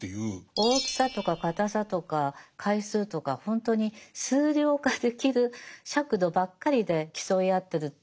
大きさとか硬さとか回数とかほんとに数量化できる尺度ばっかりで競い合ってるって。